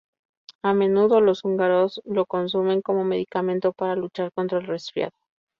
A menudo, los húngaros lo consumen como medicamento para luchar contra el resfriado.